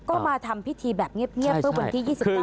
ก็มาทำพิธีแบบเงียบเพื่อวันที่๒๙ที่ต่างกัน